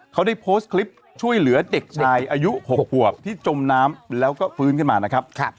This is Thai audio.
เขาได้โพสต์คลิปช่วยเหลือเด็กชายอายุ๖ขวบที่จมน้ำแล้วก็ฟื้นขึ้นมานะครับ